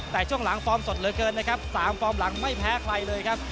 แต่ช่วงหลังฟอร์มสดเหลือเกินนะครับ๓ฟอร์มหลังไม่แพ้ใครเลยครับ